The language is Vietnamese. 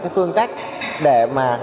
phương cách để mà